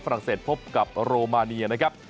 เศสพบกับโรมาเนียนะครับ